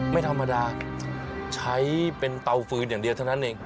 ไม่ธรรมดาใช้เป็นเตาฟืนอย่างเดียวเท่านั้นเอง